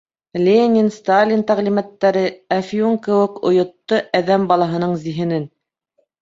Ленин, Сталин тәғлимәттәре әфиун кеүек ойотто әҙәм балаһының зиһенен.